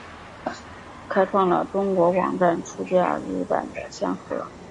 开创了中国网站出假日版的先河。